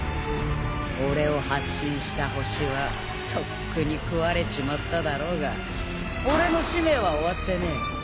俺を発信した星はとっくに食われちまっただろうが俺の使命は終わってねえ。